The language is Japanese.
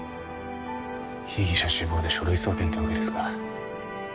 被疑者死亡で書類送検ってわけですか。